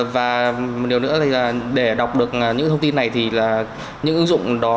và một điều nữa thì để đọc được những thông tin này thì là những ứng dụng đó